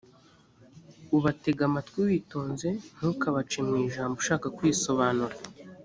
ubatege amatwi witonze ntukabace mu ijambo ushaka kwisobanura